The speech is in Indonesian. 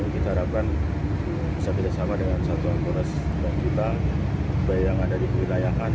kita harapkan bisa bersama dengan satuan kores dan kita baik yang ada di wilayahkan